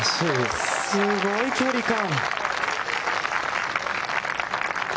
すごい距離感。